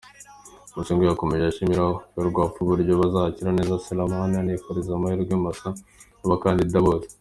Mosengo yakomeje ashimira Ferwafa uburyo bazakira neza Selemani, anifuriza amahirwe masa abakandida bose.